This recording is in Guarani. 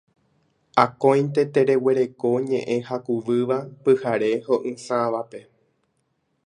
Akóinte tereguereko ñe'ẽ hakuvýva pyhare ho'ysãvape